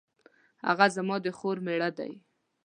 هغه زما د خور میړه دی